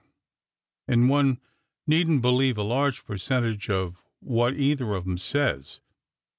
; and one needn't believe a large percentage of what either of 'em says.